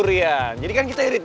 lepas ini dong kan motor kita gak mau